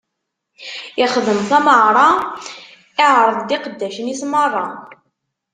Ixdem tameɣra, iɛreḍ-d iqeddacen-is meṛṛa.